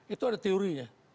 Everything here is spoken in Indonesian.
itu ada teorinya